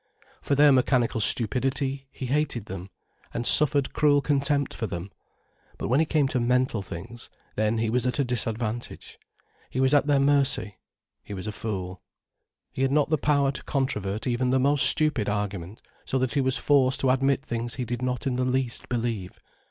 For their mechanical stupidity he hated them, and suffered cruel contempt for them. But when it came to mental things, then he was at a disadvantage. He was at their mercy. He was a fool. He had not the power to controvert even the most stupid argument, so that he was forced to admit things he did not in the least believe.